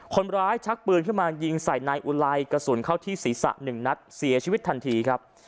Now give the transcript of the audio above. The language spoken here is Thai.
คนร้ายชักปืนขึ้นมายิงใส่ในอุลัยกระสุนเข้าที่ศรีสะ๑นัดเสียชีวิตทันทีครับ